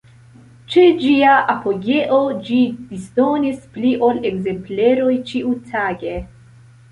Ĉe ĝia apogeo, ĝi disdonis pli ol ekzempleroj ĉiutage.